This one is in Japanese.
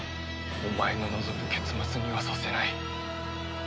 お前の望む結末にはさせない。